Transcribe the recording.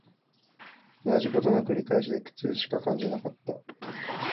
同じ事の繰り返しで苦痛しか感じなかった